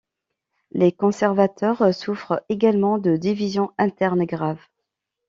Les conservateurs souffrent également de divisions internes graves.